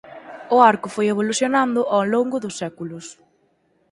O arco foi evolucionando ó longo dos séculos.